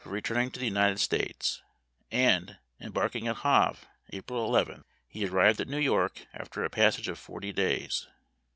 returning to the United States, and, embarking at Havre April 11, he arrived at New York after a passage of forty days.